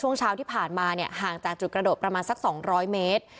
ช่วงเช้าที่ผ่านมาเนี่ยห่างจากจุดกระโดดประมาณสัก๒๐๐เมตร